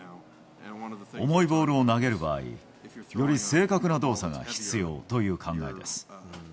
重いボールを投げる場合、より正確な動作が必要という考えです。